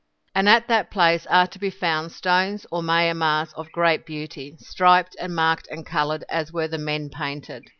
And at that place are to be found stones or mayamahs of great beauty, striped and marked and coloured as were the men painted.